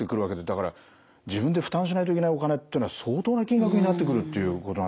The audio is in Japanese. だから自分で負担しないといけないお金ってのは相当な金額になってくるっていうことなんですよね。